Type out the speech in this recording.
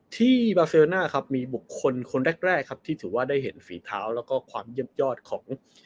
ที่บาเซอร์น่าครับมีบุคคลคนแรกครับที่ถือว่าได้เห็นฝีเท้าแล้วก็ความเยี่ยมยอดของ